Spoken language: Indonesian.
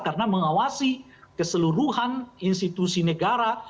karena mengawasi keseluruhan institusi negara